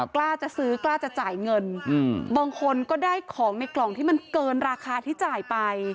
กล้าจะซื้อกล้าจะจ่ายเงินบางคนก็ได้ของในกล่องที่มันเกินราคาที่จ่ายไป